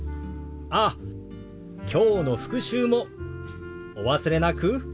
ああきょうの復習もお忘れなく。